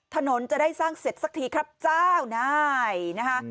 ถนนจะได้สร้างเสร็จสักทีครับเจ้านายนะคะ